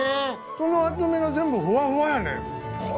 その厚みが全部ふわふわやねん。